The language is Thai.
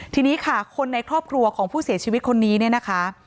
ทีนี้ค่ะคนในครอบครัวของผู้เสียชีวิตคนนี้เนี่ยนะคะ